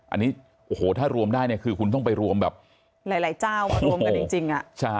อันนี้โอ้โหถ้ารวมได้เนี่ยคือคุณต้องไปรวมแบบหลายเจ้ามารวมกันจริง